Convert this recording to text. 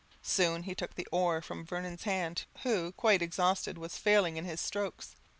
Soon he took the oar from Vernon's hand, who, quite exhausted, was failing in his strokes.